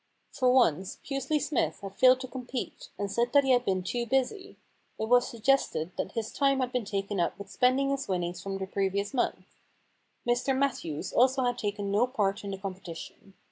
For once Pusely Smythe had failed to com pete, and said that he had been too busy. It was suggested that his time had been taken up with spending his winnings from the 158 The Impersonation Problem previous month. Mr Matthews also had taken no part in the competition.